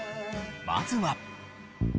まずは。